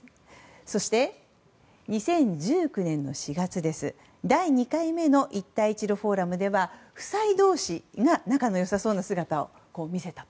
そして、２０１９年４月第２回目の一帯一路フォーラムでは夫妻同士が仲の良さそうな姿を見せた。